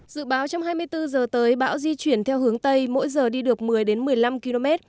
dự báo trong hai mươi bốn giờ tới bão di chuyển theo hướng tây mỗi giờ đi được một mươi một mươi năm km